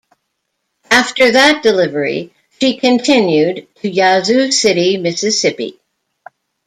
After that delivery, she continued to Yazoo City, Mississippi.